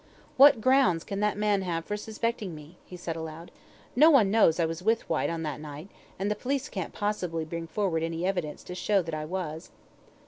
"What grounds can that man have for suspecting me?" he said aloud. "No one knows I was with Whyte on that night, and the police can't possibly bring forward any evidence to show that I was.